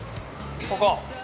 ◆ここ！